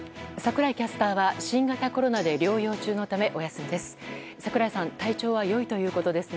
櫻井キャスターは新型コロナで療養中のため、お休みです。